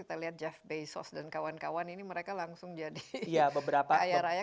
kita lihat jeff bezos dan kawan kawan ini mereka langsung jadi ayah rakyat